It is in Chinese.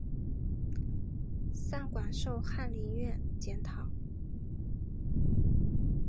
散馆授翰林院检讨。